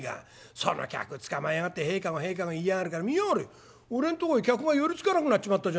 その客捕まえやがって『へい駕籠へい駕籠』言いやがるから見やがれ俺んとこへ客が寄りつかなくなっちまったじゃねえか。